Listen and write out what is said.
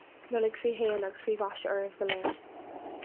Nollaig faoi shéan agus faoi mhaise oraibh go léir